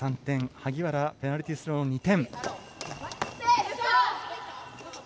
萩原、ペナルティースローの２点。